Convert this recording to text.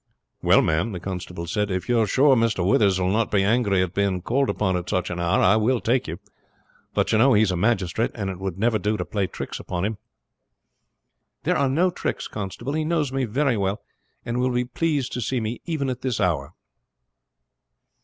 "Well, ma'am," the constable said, "if you are sure Mr. Withers will not be angry at being called up at such an hour I will take you; but you know he is a magistrate, and it would never do to play tricks upon him." "There are no tricks, constable. He knows me very well, and will be pleased to see me even at this hour."